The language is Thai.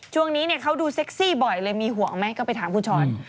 ช่วงนี้เขาดูเซ็กซี่บ่อยเลยมีห่วงไหมก็ไปถามคุณช้อน